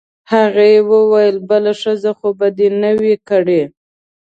هغې وویل: بله ښځه خو به دي نه وي کړې؟